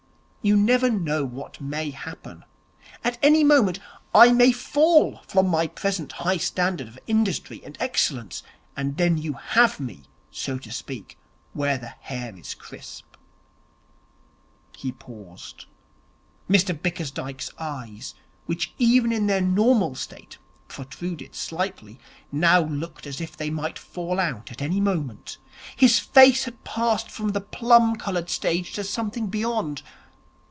You never know what may happen. At any moment I may fall from my present high standard of industry and excellence; and then you have me, so to speak, where the hair is crisp.' He paused. Mr Bickersdyke's eyes, which even in their normal state protruded slightly, now looked as if they might fall out at any moment. His face had passed from the plum coloured stage to something beyond.